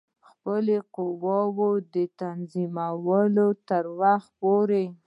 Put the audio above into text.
خپلو قواوو د تنظیمولو تر وخته پوري.